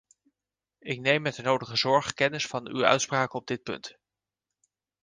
Ik neem met de nodige zorg kennis van uw uitspraken op dit punt.